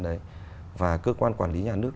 đấy và cơ quan quản lý nhà nước